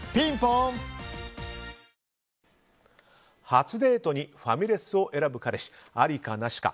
初デートにファミレスを選ぶ彼氏、ありか、なしか。